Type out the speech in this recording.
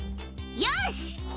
よし！